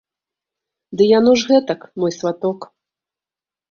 Ды яно ж гэтак, мой сваток.